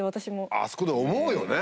あそこで思うよね。